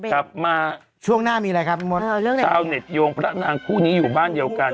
กลับมาช่วงหน้ามีอะไรครับพี่มดชาวเน็ตโยงพระนางคู่นี้อยู่บ้านเดียวกัน